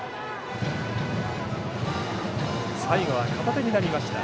最後は片手になりました。